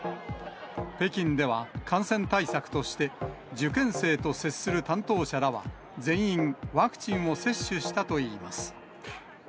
北京では感染対策として、受験生と接する担当者らは全員、ワクチンを接種したといいます。